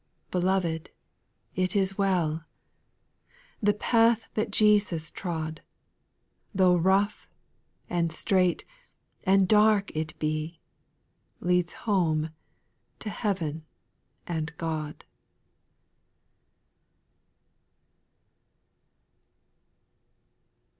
4. Beloved, " it is well 1" The path that Jesus trod, Tho' rough, and strait, and dark it be, Leads home to heaven and God.